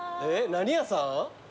何屋さん？